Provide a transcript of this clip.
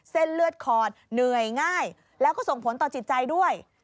เส้นเลือดคอดเหนื่อยง่ายแล้วก็ส่งผลต่อจิตใจด้วย